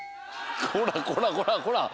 こらこらこらこら！